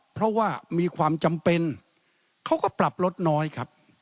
เพราะว่ามีความจำเป็นเขาก็ปรับลดน้อยครับ